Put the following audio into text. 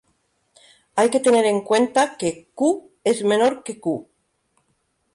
Hay que tener en cuenta que "Q"′ es menor que "Q".